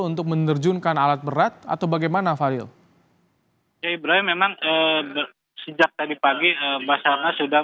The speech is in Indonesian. untuk menerjunkan alat berat atau bagaimana faril ya ibrahim memang sejak tadi pagi basarnas sudah